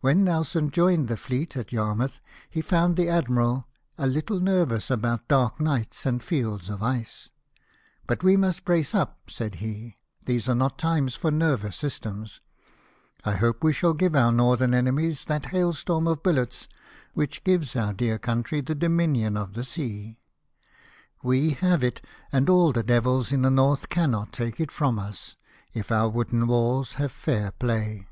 When Nelson joined the fleet at Yarmouth he found the admiral *'a Httle nervous about dark nights and fields of ice." " But we must brace up," said he ;" these are not times for nervous systems. I hope we shall give our northern enemies that hailstorm of bullets which gives our dear country the dominion of the sea. We have it, and all the devils in the North cannot take it from us if our THE BALTIC EXPEDITION, 215 wooden walls have fair play."